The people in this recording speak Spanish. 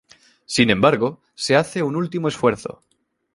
Sin embargo, se hace un último esfuerzo.